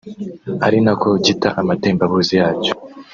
ari nako gita amatembabuzi yacyo